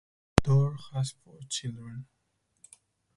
Dorr has four children.